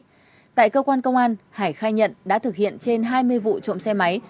ở các cơ quan công an hải khai nhận đã thực hiện trên hai mươi vụ trộm xe máy